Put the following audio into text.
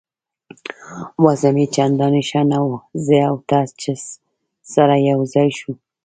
وضع مې چندانې ښه نه وه، زه او ته چې سره یو ځای شوو.